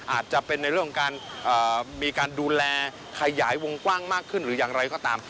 อาจจะเป็นในเรื่องของการมีการดูแลขยายวงกว้างมากขึ้นหรืออย่างไรก็ตาม